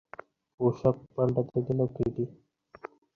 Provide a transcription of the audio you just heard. মান্দ্রাজীরা দেখছি, কাগজ বার করতে পারলে না।